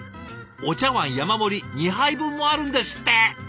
お茶わん山盛り２杯分もあるんですって！